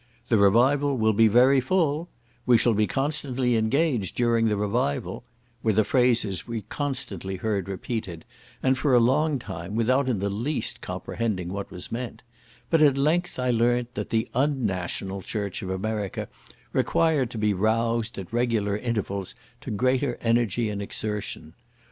"The revival will be very full"—"We shall be constantly engaged during the revival"—were the phrases we constantly heard repeated, and for a long time, without in the least comprehending what was meant; but at length I learnt that the un national church of America required to be roused, at regular intervals, to greater energy and exertion.